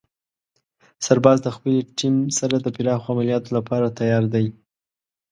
سرباز د خپلې ټیم سره د پراخو عملیاتو لپاره تیار دی.